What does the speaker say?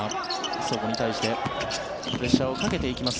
そこに対してプレッシャーをかけていきます